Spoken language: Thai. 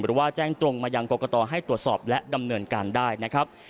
หรือว่าแจ้งตรงมายังกรกตให้ตรวจสอบและดำเนินการได้นะครับ